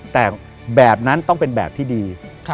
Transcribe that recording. แต่แบบนั้นต้องเป็นแบบที่ดี